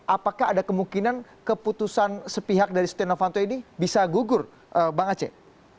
apakah ada kemungkinan keputusan sepihak dari setia novanto ini bisa gugur bang aceh